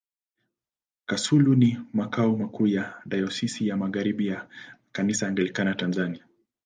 Kasulu ni makao makuu ya Dayosisi ya Magharibi ya Kanisa Anglikana Tanzania.